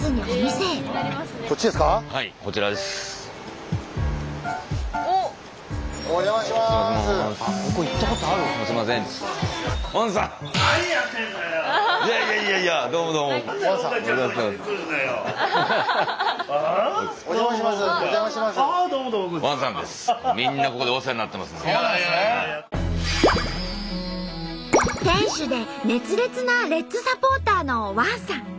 店主で熱烈なレッズサポーターのワンさん。